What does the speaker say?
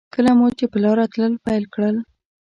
کله مو چې په لاره تلل پیل کړل.